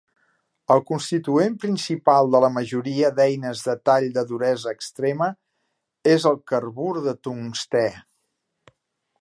El constituent principal de la majoria d'eines de tall de duresa extrema és el carbur de tungstè